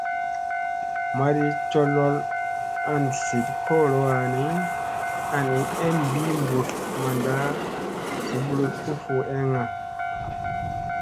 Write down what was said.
Madi colool an tliɗ kolo wani, an i em ɓii mɓutl manda zubluɗ u fu eŋga.